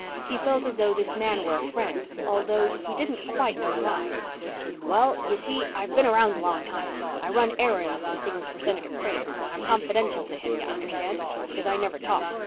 He felt as though this man were a friend, although he didn't know quite why. "Well, you see I've been around a long time. I run errands and things for Senator Crane. I'm confidential to him, you understand, because I never talk.